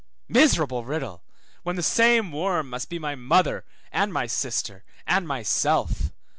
Miserable riddle, when the same worm must be my mother, and my sister and myself!